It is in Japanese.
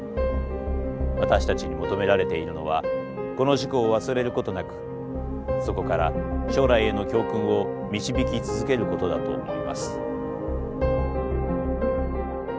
私たちに求められているのはこの事故を忘れることなくそこから将来への教訓を導き続けることだと思います。